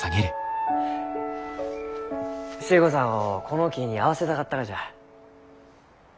寿恵子さんをこの木に会わせたかったがじゃ。